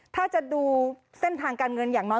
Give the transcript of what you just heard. ถ้าจะดูเส้นทางการเงินอย่างน้อย